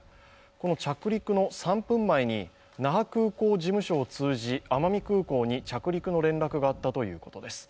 この着陸の３分前に那覇空港事務所を通じ奄美空港に着陸の連絡があったということです